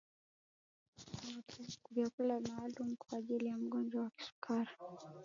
kuna vyakula maalumu kwa ajili ya mgonjwa wa kisukari